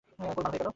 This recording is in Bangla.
গোলমাল হয়ে গেল।